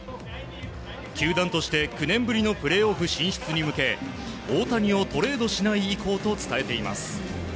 球団として９年ぶりのプレーオフ進出に向け大谷をトレードしない意向と伝えています。